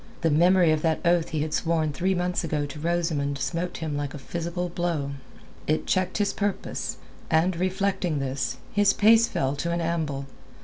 The memory of that oath he had sworn three months ago to Rosamund smote him like a physical blow. It checked his purpose, and, reflecting this, his pace fell to an amble.